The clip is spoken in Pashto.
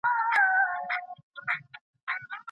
که تمرین نه وي نو مهارت نه پخیږي.